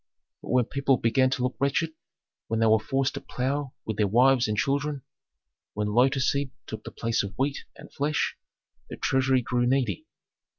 But when people began to look wretched, when they were forced to plough with their wives and children, when lotus seed took the place of wheat and flesh, the treasury grew needy.